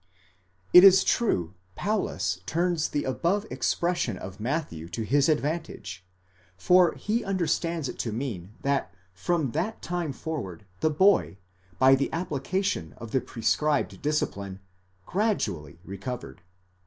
It is true Paulus turns the above expression of Matthew to his advantage, for he understands it to mean that from that time forward the boy, by the application of the prescribed discipline, gradually recovered.